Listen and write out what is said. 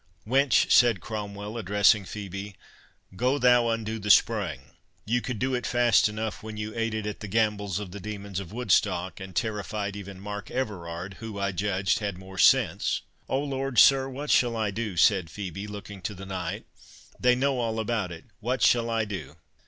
"Wench," said Cromwell, addressing Phœbe, "go thou undo the spring—you could do it fast enough when you aided at the gambols of the demons of Woodstock, and terrified even Mark Everard, who, I judged, had more sense." "Oh Lord, sir, what shall I do?" said Phœbe, looking to the knight; "they know all about it. What shall I do?"